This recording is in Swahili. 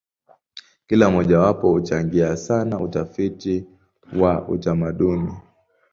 Kila mojawapo huchangia sana utafiti wa utamaduni.